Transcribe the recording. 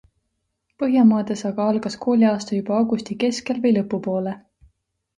Põhjamaades aga algas kooliaasta juba augusti keskel või lõpupoole.